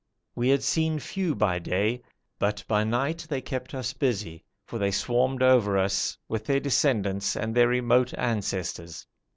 We had seen few by day, but by night they kept us busy, for they swarmed over us with their descendants and their remote ancestors.